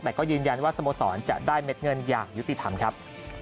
แต่ก็ยืนยันว่าสโมสรจะได้เม็ดเงินอย่างยุติธรรมครับ